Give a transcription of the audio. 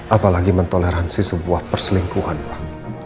apalagi mentoleransi sebuah perselingkuhan pak